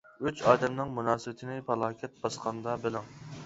ئۈچ ئادەمنىڭ مۇناسىۋىتىنى پالاكەت باسقاندا بىلىڭ.